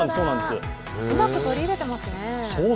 うまく取り入れてますね。